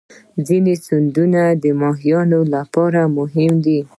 ځینې سیندونه د ماهیانو لپاره مهم دي.